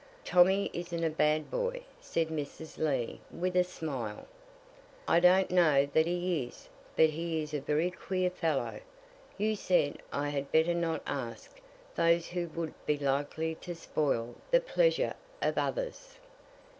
"Tommy isn't a bad boy," said Mrs. Lee, with a smile. "I don't know that he is; but he is a very queer fellow. You said I had better not ask those who would be likely to spoil the pleasure of others."